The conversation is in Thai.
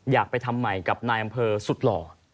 อยากไปทำใหม่กับนายอำเภอสุดหล่อ